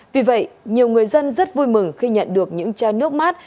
vì vậy nhiều người dân rất vui mừng khi nhận được những chai nước mát